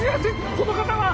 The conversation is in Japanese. この方は？